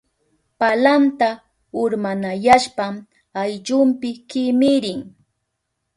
Palanta urmanayashpan ayllunpi kimirin.